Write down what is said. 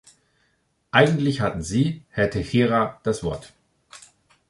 Eigentlich hatten Sie, Herr Teixeira, das Wort.